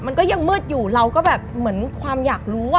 มันก็ยังมืดอยู่เราก็แบบเหมือนความอยากรู้ว่า